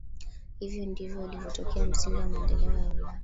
Hivyo ndivyo ilivyotokea msingi wa maendeleo ya Ulaya